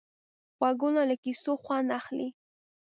غوږونه له کیسو خوند اخلي